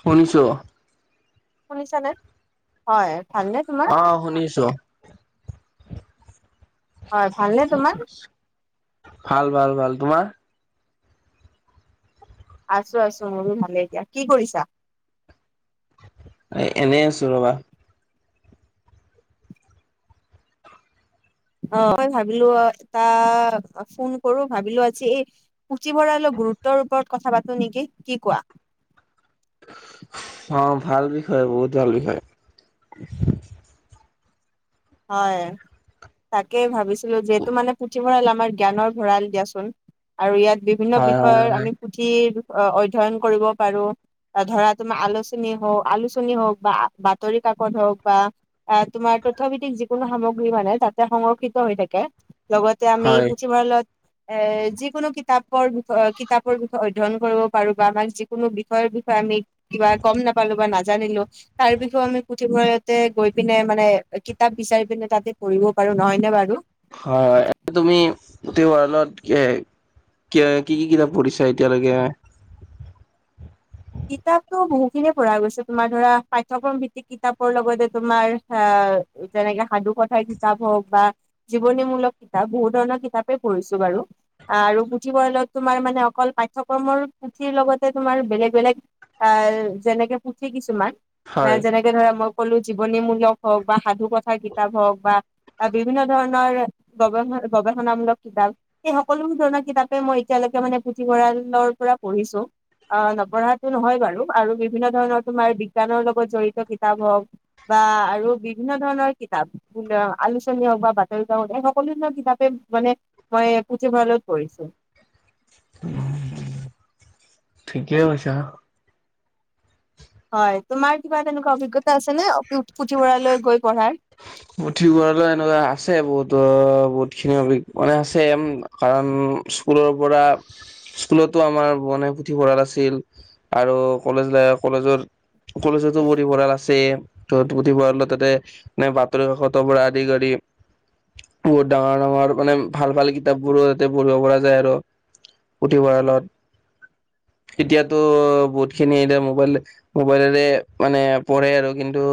শুনিছো শুনিছা নে হয়। ভালনে তোমাৰ? আহ শুনিছো হয় ভালনে তোমাৰ? ভাল ভাল ভাল তোমাৰ? আছো আছো মোৰো ভালে এতিয়া কি কৰিছা? এনে আছো ৰবা। অ মই ভাবিলো অ এটা ফোন কৰো ভাবিলো আজি এই পুথিভৰাল গুৰুত্বৰ ওপৰত কথা পাতোঁ নেকি কি কোৱা? অ ভাল বিষয় বহুত ভাল বিষয়। হয় তাকেই ভাবিছিলো যিহেতু মানে পুথিভঁৰাল আমা আমাৰ জ্ঞানৰ ভঁৰাল দিয়াচোন আৰু ইয়াত বিভিন্ন হয় বিষয়ৰ হয় আমি পুথি অ অধ্যয়ন কৰিব পাৰো। ধৰা তোমাৰ আলোচনী হওক, আলোচনী হওক বা বাতৰি কাকত হওক বা তোমাৰ অৰ্থ ভিত্তিক যিকোনো সামগ্ৰী মানে তাতে সংৰক্ষিত হৈ থাকে। লগতে আমি হয় পুথিভঁৰালত এ যিকোনো কিতাপ বিষয় কিতাপৰ বিষয়ে অধ্যয়ন কৰিব পাৰো বা আমাক যিকোনো বিষয়ৰ বিষয়ে আমি কিবা গম নাপালো বা নাজানিলো তাৰ বিষয়েও আমি পুথিভঁৰাতে গৈ পিনে মানে কিতাপ বিচাৰি পিনে তাতে পঢ়িব পাৰো নহয়নে বাৰু? হয় হয় তুমি গোটেই ৱৰ্ল্ডত। এ কি কি কি কিতাপ পঢ়িছা এতিয়ালৈকে কিতাপতো বহুখিনিয়ে পঢ়া গৈছে তোমাৰ ধৰা পাঠ্যক্ৰম ভিত্তিক কিতাপৰ লগতে তোমাৰ আহ যেনেকে সাধু কথাৰ কিতাপ হওক বা জীৱনীমূলক কিতাপ বহুত ধৰণৰ কিতাপে পঢ়িছো আৰু পুথিভঁৰালত তোমাৰ মানে অকল পাঠ্যক্ৰমৰ পুথিৰ লগতে তোমাৰ বেলেগ, বেলেগ অ যেনেকে পুথি কিছুমান ন হয় যেনেকে ধৰা মই সকলো জীৱনীমূলক হওক বা সাধু কথাৰ কিতাপ হওক বা বা বিভিন্ন ধৰণৰ গৱ গৱেষণামূলক কিতাপ এই সকলো ধৰণৰ কিতাপে মই এতিয়ালৈকে মানে পুথিভঁৰালৰ পৰা পঢ়িছো আহ নপঢ়া নহয় বাৰু আৰু বিভিন্ন ধৰণৰ তোমাৰ বিজ্ঞানৰ লগত জড়িত কিতাপ হওক বা আৰু বিভিন্ন ধৰণৰ কিতাপ আলোচনী হওক বা বাতৰিকাকত হওক এই সকলো ধৰণৰ কিতাপে মানে মই পুথিভঁৰালত পঢ়িছো। ঠিকেই কৈছা। হয় তোমাৰ কিবা তেনেকুৱা অভিজ্ঞতা আছে নে পুথিভঁৰালত গৈ পঢ়াৰ পুথিভঁৰালো এনেকুৱা আছে বহুত বহুত খিনি মানে আছে কাৰণ স্কুলৰ পৰা স্কুলতো আমাৰ বনাই পুথিভঁৰাল আছিল আৰু কলেজ ল কলেজৰ কলেজতো পুথিভঁৰাল আছে ত পুথিভঁৰাল তাতে ন সত কত পৰা আদি কৰি বহুত ডাঙৰ ডাঙৰ মানে ভাল ভাল কিতাপ বোৰো তাতে পঢ়িব পৰা যায় আৰু পুথিভঁৰালত [inaudible] এতিয়াতো বহুতখিনি এতিয়া মোবাইল মোবাইলেৰে মানে পঢ়ে আৰু কিন্তু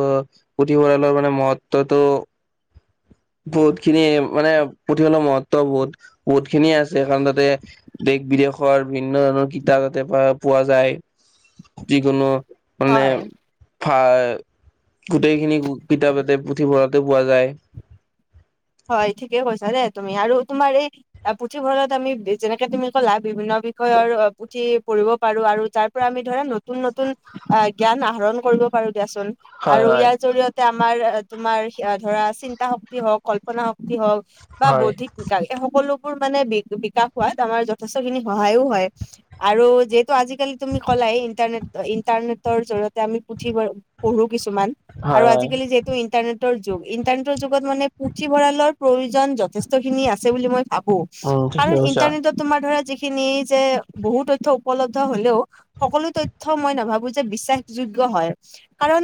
পুথিভঁৰালৰ মানে মহত্বটো [inaudible] বহুত খিনি মানে পুথিভঁৰালৰ মহত্ব বহুত বহুত খিনিয়ে আছে কাৰণ তাতে দেশ বিদেশ দেশৰ বিভিন্ন ধৰণৰ কিতাপ তাতে প পোৱা যায় যিকোনো। হয় ভ গোটেইখিনি কিতাপ এতে পুথিভঁৰালতে পোৱা যায় হয় ঠিকে কৈছা দেই তুমি আৰু তুমাৰ এই পুথিভঁৰালত আমি যেনেকে তুমি ক'লা বিভিন্ন বিষয়ৰ পুথি পঢ়িব পাৰো আৰু তাৰ পৰা আমি ধৰা নতুন নতুন অ জ্ঞান আহৰণ কৰিব পাৰো দিয়াচোন হয় আৰু হয় ইয়াৰ জৰিয়তে আমাৰ তোমাৰ ধৰা চিন্তা শক্তি হওক কল্পনা শক্তি হওক বা হয় বৌদ্ধিক বিকাশ এই সকলো মানে বি বিকাশ হোৱাত আমাৰ যথেষ্ট খিনি সহায়ো হয় আৰু যিহেতু আজিকালি তুমি কলা নে ইণ্টাৰনেটৰ জৰিয়তে আমি পুথি পঢ়ো কিছুমান আৰু হয় হয় আজিকালি যিহেতু ইন্টাৰনেটৰ যুগ ইন্টাৰনেটৰ যুগত মানে পুথিভঁৰালৰ প্ৰয়োজন যথেষ্ট খিনি আছে বুলি মই থ উম ঠিকে কাৰণ কৈছা ইণ্টাৰনেটত তোমাৰ ধৰা যে [unintelligible] খিনি যে বহু তথ্য উপলব্ধ হলেও সকলো তথ্য মই নাভাবো যে বিশ্বাসযোগ্য কাৰণ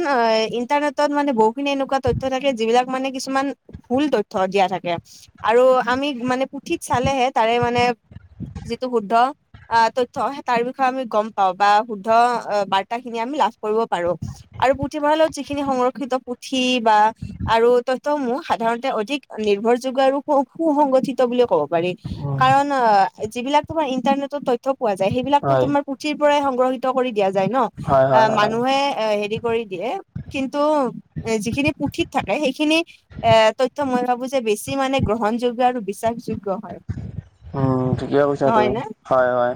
ইন্টাৰনেটত মানে বহুতখিনি এনেকুৱা তথ্য থাকে যিবিলাক মানে কিছুমান ভুল তথ্য দিয়া থাকে আৰু আমি মানে পুথিত চালেহে তাৰে মানে যিটো শুদ্ধ আহ তথ্য তাৰ বিষয়ে আমি গম পাও বা শুদ্ধ বাৰ্তাখিনি আমি লাভ কৰিব পাৰো আৰু পুথিভঁৰালত যিখিনি সংৰক্ষিত পুথি বা আৰু তথ্যসমূহ সাধাৰণতে অধিক নিৰ্ভৰযোগ্য আৰু সু সংগঠিত বুলি ক'ব পাৰি উম কাৰণ যিবিলাক তোমাৰ ইন্টাৰনেটত তথ্য পোৱা যায় সেইবিলাকো হয় তোমাৰ পুথিৰ পৰাই সংগ্ৰহিত কৰি দিয়া যায় ন হয় অ হয় হয় মানুহে এ হেৰি কৰি দিয়ে কিন্তু যিখিনি পুথিত থাকে সেইখিনি এ তথ্য মই ভাবো যে বেছি মানে গ্ৰহণযোগ্য আৰু বিশ্বাসযোগ্য হয় উম ঠিকে কৈছা নহয় তই নে হয় হয়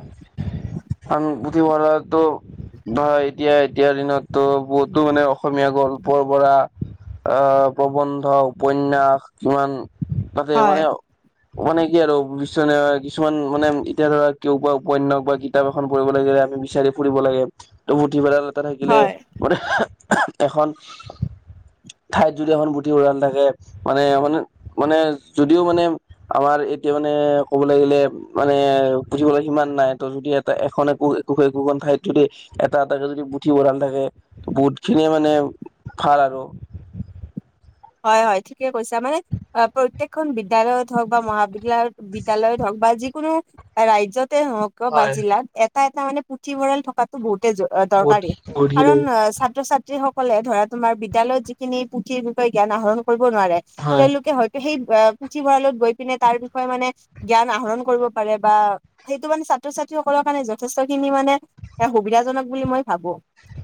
আন পুথিভঁৰালটো ধৰা এতিয়া এতিয়াৰ দিনতো বহুতো মানে অসমীয়া গল্পৰ পৰা আহ প্ৰবন্ধ উপন্যাস কিমান তাতে হয় মানে মানে কি আৰু কি কিছুমান মানে এতিয়া ধৰাক কেও বা উপন্যাস বা কিতাপ এখন পঢ়িব লাগে আমি বিচাৰি ফুৰিব লাগে। ত পুথি ভৰাল এটা থাকিলে হয় গোট এখন [unintelligible] ঠাইত যদি এখন পুথি ভঁৰাল থাকে মানে মে মানে যদিও মানে আমাৰ [unintelligible] এতিয়া মানে ক'ব লাগিলে মানে পুথি ভঁৰাল সিমান নাই ত' যদি এটা এখন একো একোশ একোখন ঠাইত যদি এটা এটাক যদি পুথি ভঁৰাল থাকে বহুত খিনি মানে ভাল আৰু [inaudible] হয় হয় ঠিকে কৈছা মানে প্ৰত্যেকখন বিদ্যালয়ত হওক বা মহাবিদ্যালয়ত হওক বা যিকোনো ৰাজ্যতে হওক বা হয় জিলাত এটা এটা মানে পুথিভঁৰাল থকাাতো বহুত বহুত দৰকাৰ বহুত খিনি কাৰণ ছাত্ৰ ছাত্ৰীসকলে ধৰা তোমাৰ বিদ্যালয়ত যিখিনি পুথি জ্ঞান আহৰণ কৰিব নোৱাৰে হয় তেওঁলোকে হয়তো সেই পুথিভৰালত গৈ পিনে তাৰ বিষয়ে মানে জ্ঞান আহৰণ কৰিব পাৰে বা সেইটো মানে ছাত্ৰ ছ যি সকলৰ কাৰণে যথেষ্ট খিনি মানে এ সুবিধাজনক বুলি মই ভাবো।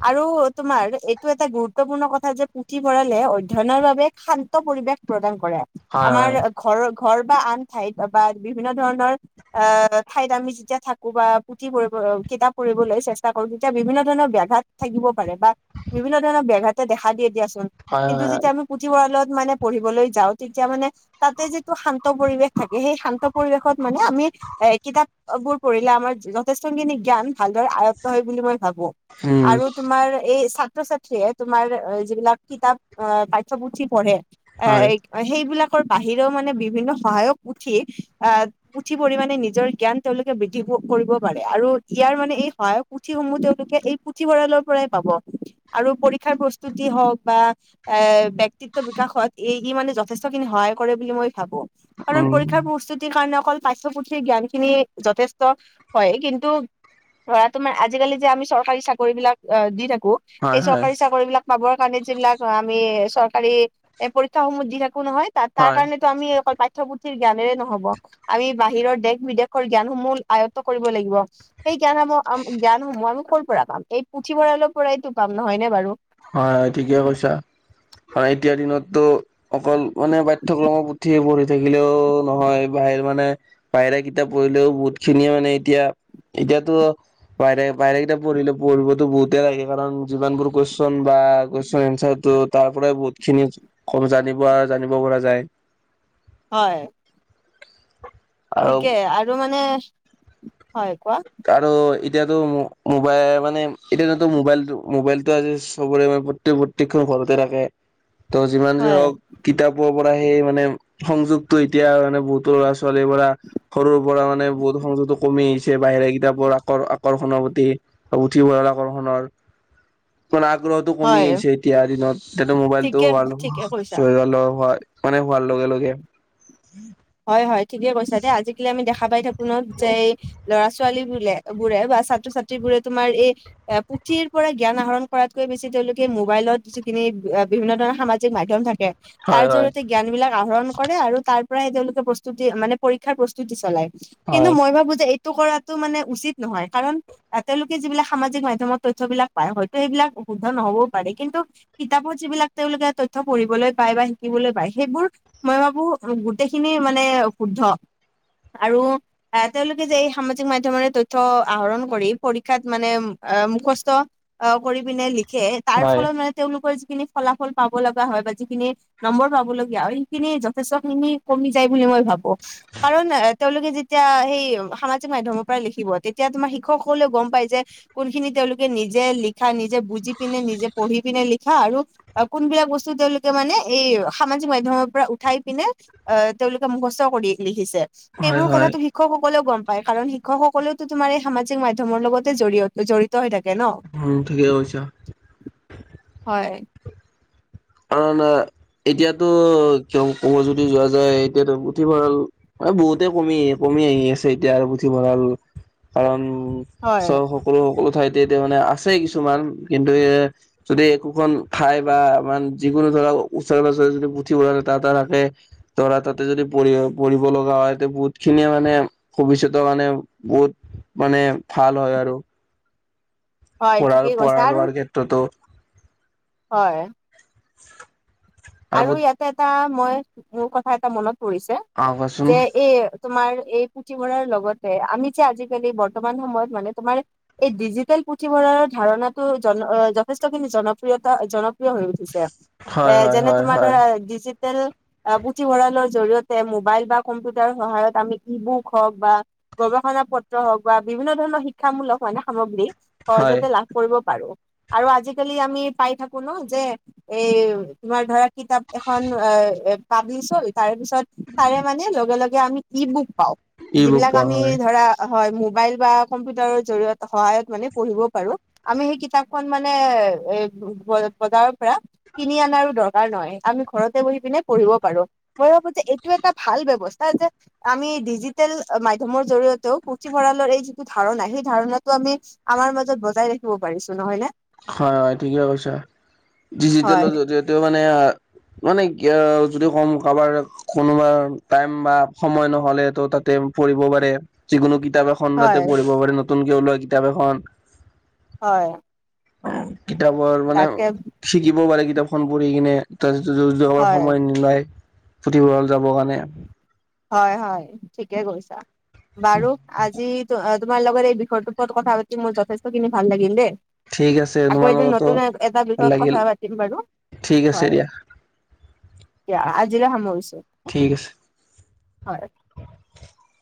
[unintelligible] আৰু তোমাৰ এইটো এটা গুৰুত্বপূৰ্ণ কথা যে পুথিভঁৰালে অধয়নৰ বাবে শান্ত পৰিৱেশ প্ৰদান কৰে হয় আমাৰ ঘৰৰ ঘৰ বা আন ঠাইত বা বিভিন্ন ধৰণৰ অ ঠাইত আমি যেতিয়া থাকো বা পুথি পৰিব কিতাপ পঢ়িবলৈ চেষ্টা কৰো তেতিয়া বিভিন্ন ধৰণৰ ব্যাঘাত থাকিব পাৰে বা বিভিন্ন ধৰণৰ ব্যাঘাতো [unintelligible] দিয়ে দিয়াচোন হয় হয় কিন্তু হয় হয় যেতিয়া আমি পুথিভঁৰালত মানে পঢ়িবলৈ যাওঁ তেতিয়া মানে তাতে যিটো শান্ত পৰিৱেশ থাকে সেই শান্ত পৰিৱেশত মানে আমি। এ কিতাপ বোৰ পঢ়িলে আমাৰ যথেষ্টখিনি জ্ঞান ভালদৰে আয়ত্ত হয় বুলি মই ভাবো উম আৰু তোমাৰ এই ছাত্ৰ ছাত্ৰীয়ে তোমাৰ যিবিলাক কিতাপ পাঠ্যপুথি পঢ়ে এ হয় সেইবিলাক বাহিৰেও মানে বিভিন্ন সহায়ত উঠি আহ উঠি পৰি মে নিজৰ জ্ঞান তেওঁলোকে বৃদ্ধি কৰিব পাৰে আৰু ইয়াৰ মানে এই সহায়ক পুথিসমূহ তেওঁলোকে এই পুথিভঁৰালৰ পৰাই পাব। আৰু পৰীক্ষাৰ প্ৰস্তুতি হওক বা এ ব্যক্তিত্ব বিকাশত এই দি মানে যথেষ্টখিনি সহায় কৰে বুলি মই কাৰণ উম পৰীক্ষাৰ প্ৰস্তুতিৰ কাৰণে অকল পাঠ্য পুথিৰ জ্ঞান খিনি যথেষ্ট হয় কিন্তু লৰা তোমাৰ আজিকালি যে আমি চৰকাৰী চাকৰি বিলাক দি থাকো। হয় স হয় চৰকাৰী চাকৰি বিলাক পাব কাৰণে যিলাক আমি চৰকাৰী পৰীক্ষা সমহ দি থ কো নহয় ত হয় কাৰণেতটো আমি অকল [unintelligible] পাঠ পুথিৰ জ্ঞানেৰে নহব আমি বাহিৰৰ দেশ বিদেশৰ জ্ঞানসমূহ আয়ত্ব কৰিব লাগিব সেই- জান জ্ঞান মই কৰ পৰা পাম এই পুথিভঁৰালৰ পৰাইতো পাম নহয়নে বাৰু? [unintelligible] হয় ঠিকে কৈছা। এতিয়া দিনতটো অকল মানে পাঠ্যক্ৰমত পুঠিয়ে পঢ়ি থাকিলেও নহয় বা বাহিৰ মানে বাহিৰা কিতাপ পঢ়িলেও বহুত খিনিয়ে মানে এতিয়া এতিয়াতো বাহিৰে বাহিৰে কিতাপ পঢ়িলে পঢ়িবতো বহুতে লাগে কাৰণ যিমানবোৰ কোৱেচন কোৱেচন বা কোৱেচন এনচাৰটো তাৰ পৰাই বহুত খিনি [unintelligible] জানিব জানিব পৰা যায়। হয়। আৰু শিকে আৰু মানে হয় কোৱা এতিয়াটো মোবাইল মানে এতিয়াটো মোবাইলটো মোবাইলটো আজি চবৰে মানে প্ৰত্যেক প্ৰত্যেক খন ঘৰতে ৰাখে ত যিমান যি হয় হওক, কিতাপক পৰা সেই মানে সংযোগটো এতিয়া মানে বহুতো ল'ৰা ছোৱালীৰ পৰা সৰুৰ পৰা মানে বহুত [unintelligible] কমে আহিছে। বাহিৰে কিতাপৰ আকৰ আকৰ্ষণৰ প্ৰতি উঠি পৰাল আকৰ্ষণৰ মানে আগ্ৰহটো কমি হয় আহিছে এতিয়াৰ দিনত কিন্তু মোবাইলটোও ঠিকে ঠিকে কৈছা [unintelligible] মানে হোৱাৰ লগে লগে হয় হয় ঠিকে কৈছা দে আজিকালি আমি দেখা পাই থাকো ন যে এই ল'ৰা ছোৱাল ছোৱালী বোলে বোৰে বা ছাত্ৰ ছাত্ৰী বোৰে তোমাৰ এই এ পুথিৰ পৰা জ্ঞান আহৰণ কৰাতকে বেছি তেওঁলোকে তেওঁলোকে মোবাইলত যিখিনি বিভিন্ন ধৰণৰ সামাজিক মাধ্যম থাকে তাৰ হয় হয় জৰিয়তে জ্ঞান বিলাক আহৰণ কৰে আৰু তাৰ পৰাই তেওঁলোকে প্ৰস্তুতি মানে পৰীক্ষাৰ প্ৰস্তুতি চলায় কিন্তু হয় মই ভাবো যে এই কৰাটো মানে উচিত নহয় কাৰণ আ তেওঁলোকে যিবিলাক সামাজিক মাধ্যমত তথ্যবিলাক পায় হয়তো সেইবিলাক শুদ্ধ নহ'বও পাৰে কিন্তু কিতাপত যিবিলাক তেওঁলোকে তথ্য পঢ়িবলৈ পায় বা শিকিবলৈ পায় সেইবোৰ মই ভাবো গোটেইখিনি মানে শুদ্ধ আৰু এ তেওঁলোকে যে এই সামাজিক মাধ্যমৰে তথ্য আহৰণ কৰি পৰীক্ষাত মানে অ মুখস্থ অ কৰি পিনে লিখে তাৰ হয় ফলত মানে তেওঁলোকৰ যিখিনি ফলাফল পাব লগা হয় বা যিখিনি নম্বৰ পাব লগগীয়া হয় সেইখিনি যথেষ্ট খিনি কমি যায় বুলি মই ভাবো কাৰণ তেওঁলোকে যে তেতিয়া সেই সামাজিক মাধ্যমৰ পৰাই লিখিব তেতিয়া তোমাৰ শিক্ষকসকলেও গম পাই যে কোনখিনি তেওঁলোকে নিজ নিজে লিখা নিজে বুজি পিনে নিজে পঢ়ি পিনে লিখা আৰু কোনবিলাক বস্তু তেওঁলোকে মানে এই সামাজিক মাধ্যমৰ পৰা উঠাই পিনে আ তেওঁলোকে মুখস্থ কৰি লিখিছে হয় সেইবোৰ হয় কথাটো শিক্ষক সকলেও গম পায় কাৰণ শিক্ষকসকলেটো তোমাৰ এই সামাজিক মাধ্যমৰ লগতে জড়িয়তে জড়িত হৈ থাকে ন উম ঠিকেই কৈছা হয়। কাৰণ এতিয়াটো কিয় কব যদি যোৱা যায় এতিয়াটো পুথিভঁৰাল অ বহুতে কমি আহি কমি আহি আছে এতিয়া আৰু পুথিভঁৰাল কাৰণ উম চ হয় সকলো সকলো হয় এতিয়াতে মানে আছেই কিছুমান কিন্তু এ যদি একোখন ঠাই বা আমা যিকোনো ধৰা ওচৰে পাজৰে যদি পুথিভঁৰাল এটা এটা ৰাখে ধৰা তাতে যদি পঢ়ি পঢ়িব লগা হয় বহুত খিনিয়ে মানে ভৱিষ্যত মানে বহুত মানে ভাল হয় আৰু হয় পঢ়া ঠিকেই পঢ়া কৈছা আৰু লোৱাৰ ক্ষেত্ৰতো হয় [unintelligible] আৰু ইয়াতে এটা মই মোৰ কথা এটা মনত পঢ়িছে অ কোৱাচোন যে এই তোমাৰ এই পুথিভঁৰাল লগতে আমি যে আজিকালি বৰ্তমান সময়ত মানে তোমাৰ এই ডিজিটেল পুথিভঁৰালত ধাৰণাটো জন অ যথেষ্ট খিনি জনপ্ৰিয়তা জনপ্ৰিয় হৈ উঠিছে এ হয় হয় যেনে হয়। তোমাৰ হয় ধৰা ডি জি টেল পুথিভঁৰালৰ জৰিয়তে মোবাইল বা কম্পিউটাৰ সহায়ত আমি ই বুক হওঁক বা গৱেষণা পত্ৰ হওঁক বা বিভিন্ন ধৰণৰ শিক্ষামূলক মানে সামগ্ৰী হয় সহজতে লাভ কৰিব পাৰোঁ আৰু আজিকালি আমি পাই থাকো ন যে এই তোমাৰ ধৰা কিতাপ এখন পাব্লিছ হল তাৰে পিছত তাৰে মানে লগে লগে আমি ই বুক পাওঁ ই বুক যিবিলাক পোৱা আমি হয় ধৰা হয় মোবাইল বা কম্পিউটাৰ জৰিয়তে সহায়ত মানে পঢ়িব পাৰোঁ আমি সেই কিতাপখন মানে এ বজাৰৰ পৰা কিনি অনাৰো দৰকাৰ নহয় আমি ঘৰতে বহি পিনে পঢ়িব পাৰো মই ভাবো যে এইটো এটা ভাল ব্ৱস্থা যে আমি ডিজিটেল মাধ্যমৰ জৰিয়তেও পুথি ভঁৰালৰ এই যিটো ধাৰণা সেই ধাৰণাটো আমি আমাৰ মাজত বজাই ৰাখিব পাৰিছো নহয়নে হয় হয় ঠিকে কৈছা ডিজিটেলৰ হয় জৰিয়তে এইটো মানে [inaudible] মানে কি যদি কম কাৰোবাৰ কোনোবা টাইম বা সময় নহ'লেতো তাতে পঢ়িব পাৰে যিকোনো কিতাপ এখন তাতে হয় পঢ়িব পাৰে নতুনকে ওলোৱা কিতাপ এখন হয় অ কিতাপৰ মানে তাকে শিকিবও পাৰে কিতাপখন পঢ়ি কিনে তাৰ হয় সময় নাই পুথিভঁৰাল যাবৰ কাৰণে হয় হয় ঠিকে কৈছা। বাৰু আজি তোমাৰ লগত এই বিষয়টোৰ ওপৰত কথা পাতি মোৰ যথেষ্টখিনি ভাল লাগিল দেই। ঠিক আছে তোমাৰ আকৌ এদিন লগতো নতুন এটা ভাল বিষয়ত লাগিল কথা পাতিম বাৰু। ঠিক আছে দিয়া। আজিলে সামৰিছো। ঠিক আছে। হয়।